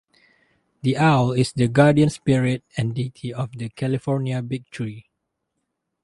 The owl is the guardian spirit and deity of the California big tree.